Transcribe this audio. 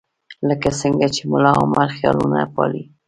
لکه څنګه چې ملاعمر خیالونه پالي.